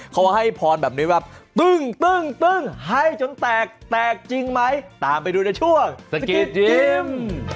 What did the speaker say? เขาให้พรแบบนี้แบบตึ้งให้จนแตกแตกจริงไหมตามไปดูในช่วงสกิดกิน